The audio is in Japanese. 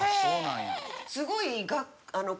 すごい。